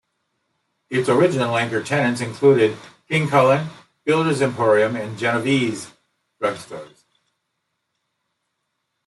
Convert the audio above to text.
Its original anchor tenants included King Kullen, Builder's Emporium, and Genovese Drug Stores.